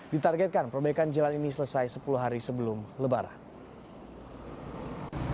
ditargetkan perbaikan jalan ini selesai sepuluh hari sebelum lebaran